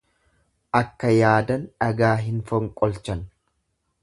Akka yaadan dhagaa hin fonqolchan.